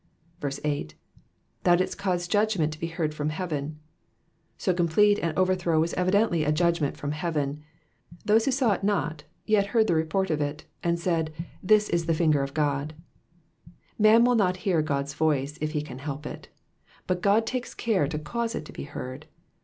8. ^^Thou didst eauM judgment to be heard Jrom heaten,^'* So complete an overthrow was evidently a judgment from heaven ; those who saw it not, yet heard the report of it, and said, '' This is the finger of God/* Man will not hear God's voice if he can help it, but God takes care to cause it to be heard.